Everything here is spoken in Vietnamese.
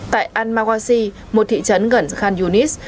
tại al mawasi một thị trấn gần khan yunis